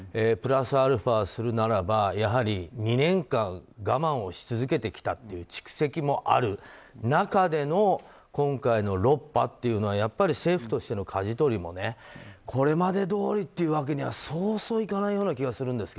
プラスアルファするならば２年間我慢をし続けてきたという蓄積もある中での今回の６波というのは政府としてのかじ取りもこれまでどおりというわけにはそうそういかないような